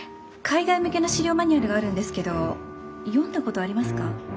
海外向けの資料マニュアルがあるんですけど読んだことありますか？